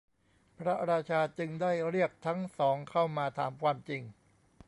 พระราชาจึงได้เรียกทั้งสองเข้ามาถามความจริง